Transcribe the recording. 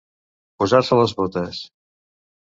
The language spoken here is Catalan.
Posar-se les botes.